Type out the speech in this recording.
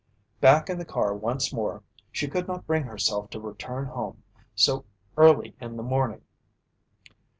Back in the car once more, she could not bring herself to return home so early in the morning.